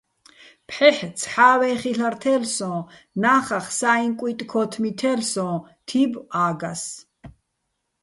ფჰ̦ეჰ̦ ცჰ̦ა́ვეჼ ხილ'არ თე́ლ' სო́ჼ, ნა́ხახ საიჼ კუჲტ-ქო́თმი თე́ლ' სო́ჼ - თი́ბო̆ ა́გას.